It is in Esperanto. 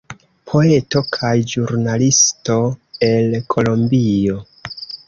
Poeto kaj ĵurnalisto el Kolombio.